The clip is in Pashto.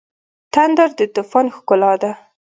تندر د طوفان ښکلا ده.